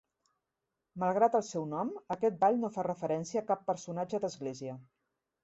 Malgrat el seu nom, aquest ball no fa referència a cap personatge d'església.